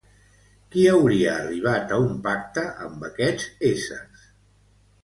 Qui hauria arribat a un pacte amb aquests éssers?